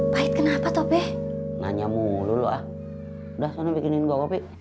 pahit kenapa toh be nanya mulu ah udah sana bikinin gua kopi